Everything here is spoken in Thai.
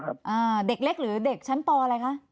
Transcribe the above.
เด็กเล็กหรือเด็กชั้นปอะไรคะ